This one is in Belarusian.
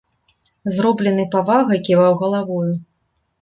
З робленай павагай ківаў галавою.